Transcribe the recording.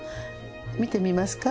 見てみますか？